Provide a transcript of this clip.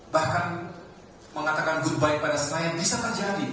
bahkan mengatakan good baik pada senayan bisa terjadi